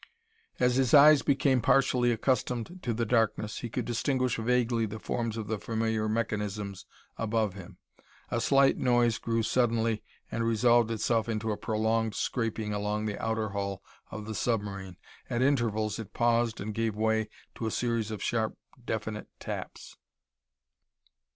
As his eyes became partially accustomed to the darkness, he could distinguish vaguely the forms of the familiar mechanisms above him. A slight noise grew suddenly and resolved itself into a prolonged scraping along the outer hull of the submarine. At intervals it paused and gave way to a series of sharp, definite taps.